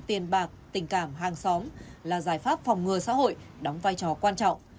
tiền bạc tình cảm hàng xóm là giải pháp phòng ngừa xã hội đóng vai trò quan trọng